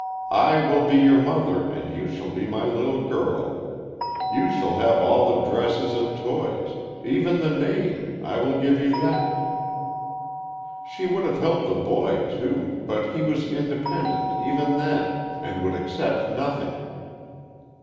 I will be your mother and you shall be my little girl. You shall have all the dresses and toys; even the name I will give you that.' She would have helped the boy, too, but he was independent, even then, and would accept nothing.